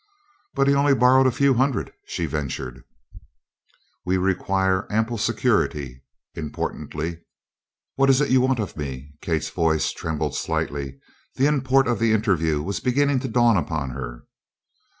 "But he only borrowed a few hundred," she ventured. "We require ample security," importantly. "What is it you want of me?" Kate's voice trembled slightly. The import of the interview was beginning to dawn upon her.